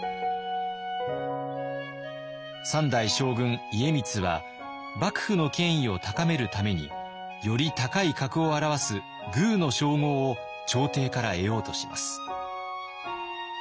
三代将軍家光は幕府の権威を高めるためにより高い格を表す「宮」の称号を朝廷から得ようとします。